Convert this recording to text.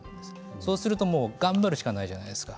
そうすると頑張るしかないじゃないですか。